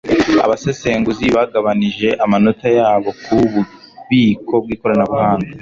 Abasesenguzi bagabanije amanota yabo ku bubiko bw'ikoranabuhanga